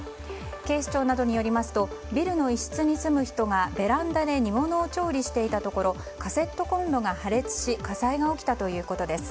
警視庁などによりますとビルの一室に住む人がベランダで煮物を調理していたところカセットコンロが破裂し火災が起きたということです。